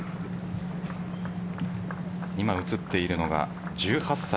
今映っているのが１８歳